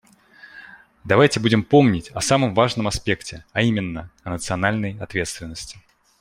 Давайте будем помнить о самом важном аспекте, а именно: о национальной ответственности.